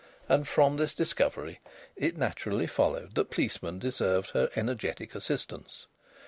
And from this discovery it naturally followed that policemen deserved her energetic assistance.